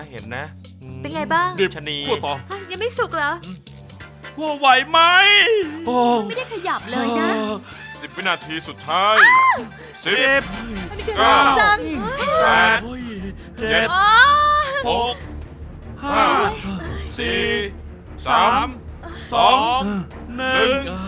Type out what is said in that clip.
ห้าหกห้าสี่สามสองหนึ่ง